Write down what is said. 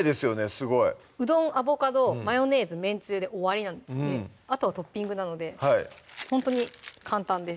すごいうどん・アボカド・マヨネーズ・めんつゆで終わりなのであとはトッピングなのでほんとに簡単です